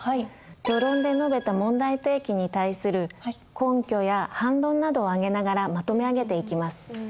序論で述べた問題提起に対する根拠や反論などを挙げながらまとめ上げていきます。